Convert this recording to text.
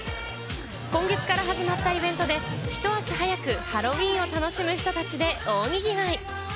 今月から始まったイベントで、ひと足早くハロウィーンを楽しむ人たちで大賑わい。